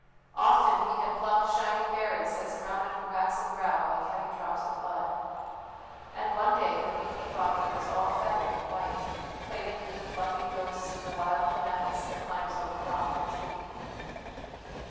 Often he had plucked shining berries that surrounded her waxen brow like heavy drops of blood. And one day the wreath he brought her was all feathery and white, plaited with the fluffy ghosts of the wild clematis that climbs over rock and tree.